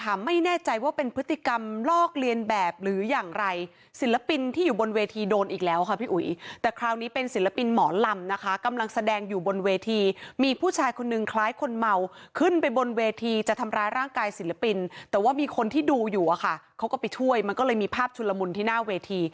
มันก็เลยมีภาพชุนละมุนที่หน้าเวที